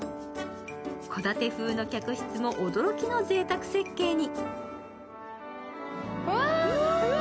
戸建て風の客室も驚きのぜいたく設計に。